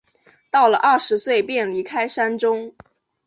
到了二十岁时便离开山中。